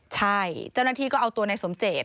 ใช่เจ้าหน้าที่ก็เอาตัวในสมเจต